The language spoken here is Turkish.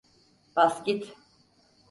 Bas git!